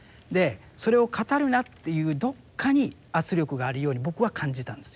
それを語るなっていうどっかに圧力があるように僕は感じたんです。